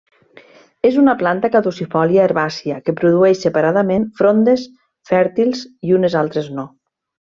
És una planta caducifòlia herbàcia, que produeix separadament frondes fèrtils i unes altres no.